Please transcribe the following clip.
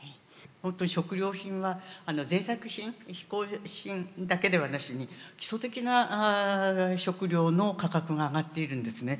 本当に食料品はぜいたく品嗜好品だけではなしに基礎的な食料の価格が上がっているんですね。